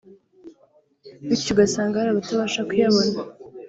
bityo ugasanga hari abatabasha kuyabona